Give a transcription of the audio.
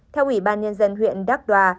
theo ủy ban nhân dân huyện đắc đoà